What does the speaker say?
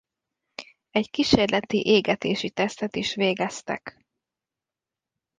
Egy kísérleti égetési tesztet is végeztek.